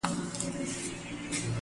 افغانستان بايد نور د مينو څخه خوندي سي